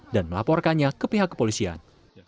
dan melaporkannya ke pihak kepolisian